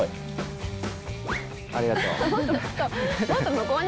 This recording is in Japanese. ありがとう。